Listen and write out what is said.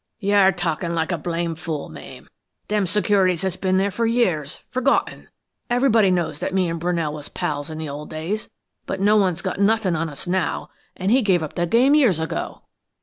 "You're talkin' like a blame' fool, Mame. Them securities has been there for years, forgotten. Everybody knows that me and Brunell was pals in the old days, but no one's got nothin' on us now, and he give up the game years ago."